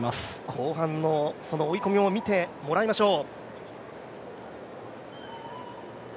後半の追い込みを見てもらいましょう。